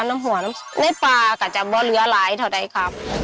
น้ำหวานน้ำปลาก็จะเบาะเรือหลายเท่าไรครับ